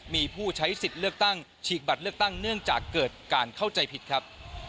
มีผู้ใช้สิทธิ์เลือกตั้งฉีกบัตรเลือกตั้งเนื่องจากเกิดการเข้าใจผิดครับ